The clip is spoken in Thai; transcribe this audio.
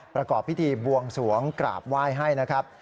ประกอบพิธีบวงสวงกราบไหว้ให้นะครับ